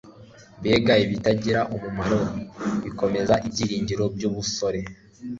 mbega ibitagira umumaro bikomeza ibyiringiro byubusore